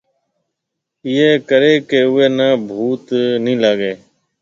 ايئيَ ڪرَي ڪہ اوئيَ ني ڀُوت نِي لاگيَ